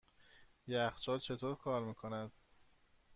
یخچال چطور کار میکند؟